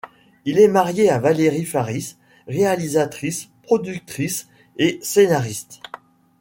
Il est marié à Valerie Faris, réalisatrice, productrice et scénariste.